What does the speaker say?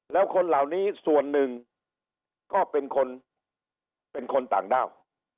แล้วคนเหล่านี้ส่วนหนึ่งก็เป็นคนเป็นคนต่างด้าว